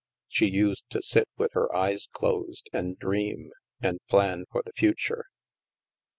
She used to sit with her eyes closed, and dream, and plan for the future.